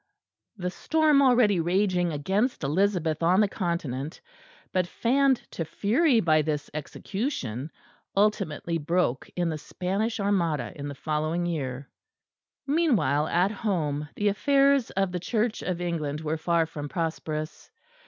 The storm already raging against Elizabeth on the Continent, but fanned to fury by this execution, ultimately broke in the Spanish Armada in the following year. Meanwhile, at home, the affairs of the Church of England were far from prosperous.